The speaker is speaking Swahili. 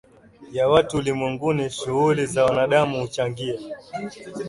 ya watu ulimwenguni shughuli za wanadamu huchangia